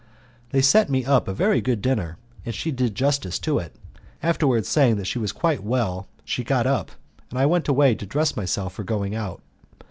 They sent me up a very good dinner, and she did justice to it; afterwards saying that she was quite well she got up, and I went away to dress myself for going out.